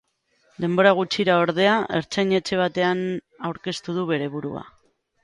Denbora gutxira, ordea, ertzain-etxe batean aurkeztu du bere burua.